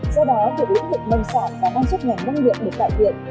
do đó việc lũ lực nông sản và năng suất ngành nông nghiệp được cải thiện